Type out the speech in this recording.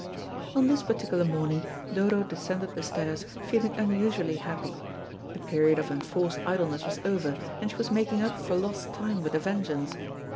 On this particular morning Dodo descended the stairs feeling unusually happy. The period of enforced idleness was over, and she was making up for lost time with a vengeance.